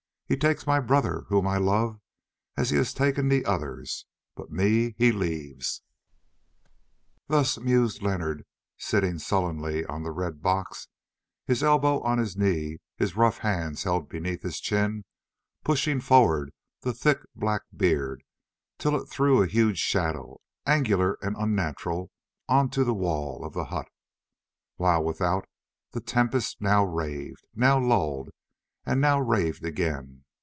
He takes my brother whom I love as he has taken the others, but me he leaves." Thus mused Leonard sitting sullenly on the red box, his elbow on his knee, his rough hands held beneath his chin pushing forward the thick black beard till it threw a huge shadow, angular and unnatural, on to the wall of the hut, while without the tempest now raved, now lulled, and now raved again.